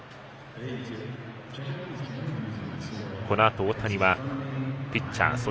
このあと大谷はピッチャー